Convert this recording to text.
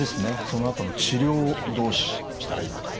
そのあとの治療をどうしたらいいのか。